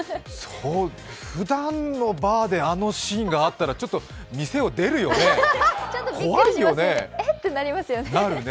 ふだんのバーであのシーンがあったら、ちょっと店を出るよね、怖いよね。